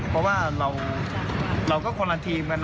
เพราะว่าเราก็คนละทีมกัน